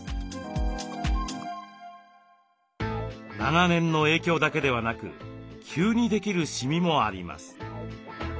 長年の影響だけではなく急にできるシミもあります。